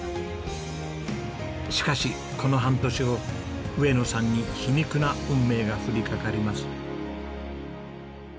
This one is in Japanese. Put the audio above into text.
しかしこの半年後上野さんに皮肉な運命が降りかかります。